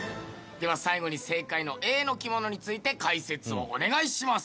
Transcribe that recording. では最後に正解のＡの着物について解説をお願いします。